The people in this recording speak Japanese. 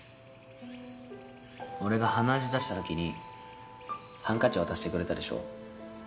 俺が鼻血出した時にハンカチ渡してくれたでしょ。